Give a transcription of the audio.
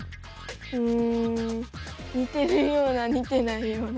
うん似てるような似てないような。